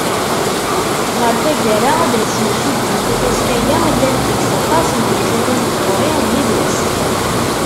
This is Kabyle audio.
Ɣer taggara, ad d-nesmekti belli tafaska-a, llant deg-s aṭas n tewsatin n tẓuri d yidles.